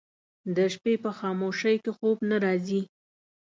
د شپې په خاموشۍ کې خوب نه راځي